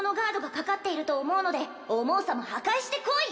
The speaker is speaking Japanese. かかっていると思うので思うさま破壊してこい